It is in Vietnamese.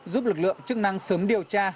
giúp lực lượng chức năng sớm điều tra